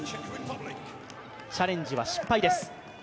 チャレンジは失敗です。